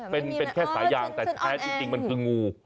เป็นแค่สายางแต่แท้จริงมันคืองู